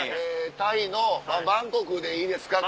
タイのバンコクでいいですか？